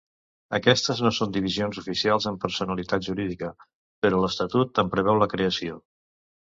Aquestes no són divisions oficials amb personalitat jurídica, però l'Estatut en preveu la creació.